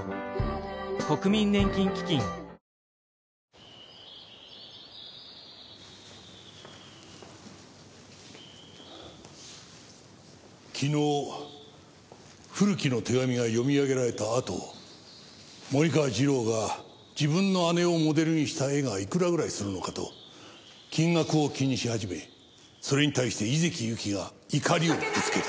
ニトリ昨日古木の手紙が読み上げられたあと森川次郎が自分の姉をモデルにした絵がいくらぐらいするのかと金額を気にし始めそれに対して井関ゆきが怒りをぶつけた。